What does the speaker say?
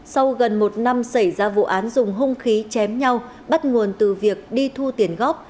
sau gần một năm xảy ra vụ án dùng hung khí chém nhau bắt nguồn từ việc đi thu tiền góp